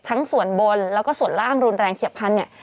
ทั้งส่วนบนแล้วก็ส่วนล่างรุนแรงเขียบพันธุ์